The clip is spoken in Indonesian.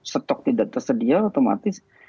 stok tidak tersedia otomatis